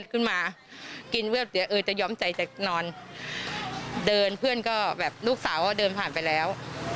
เดี๋ยวเออจะย้อมใจจะนอนเดินเพื่อนก็แบบลูกสาวเขาเดินผ่านไปแล้ว